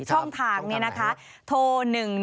ช่องทางนี้นะคะโทร๑๑๒